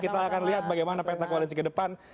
kita akan lihat bagaimana peta koalis ini ke depan